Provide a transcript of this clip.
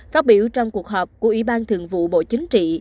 phát biểu trong cuộc họp của ủy ban thường vụ bộ chính trị